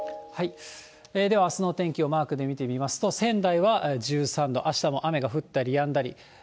では、あすの天気をマークで見てみますと、仙台は１３度、あしたも雨が降ったりやんだり。